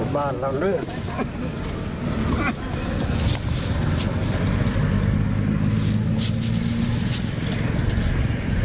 บ้านเราเลือก